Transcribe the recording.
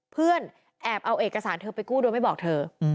เพื่อนแอบเอาเอกสารเธอไปกู้โดยไม่บอกเธอ